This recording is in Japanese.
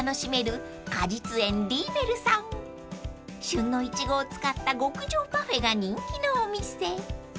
［旬のイチゴを使った極上パフェが人気のお店］